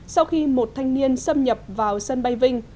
sau khi một thanh niên xâm nhập vào sân bay vinh